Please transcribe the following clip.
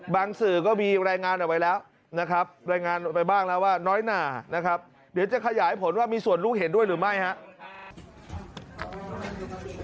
สื่อก็มีรายงานเอาไว้แล้วนะครับรายงานไปบ้างแล้วว่าน้อยหนานะครับเดี๋ยวจะขยายผลว่ามีส่วนรู้เห็นด้วยหรือไม่ครับ